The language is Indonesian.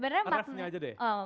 reffnya aja deh